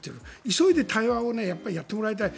急いで対話をやってもらいたい。